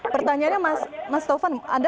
pertanyaannya mas taufan anda